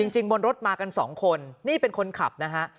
จริงบนรถมากัน๒คนนี่เป็นคนขับนะฮะ